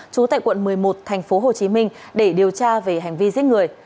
trú tại quận một mươi một tp hcm để điều tra về hành vi giết người